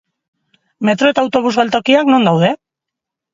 Metro eta autobus geltokiak non daude?